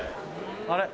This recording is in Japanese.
あれ？